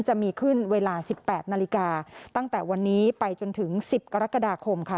จะมีขึ้นเวลา๑๘นาฬิกาตั้งแต่วันนี้ไปจนถึง๑๐กรกฎาคมค่ะ